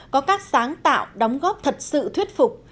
có các sáng tạo đóng góp thật sự thuyết phục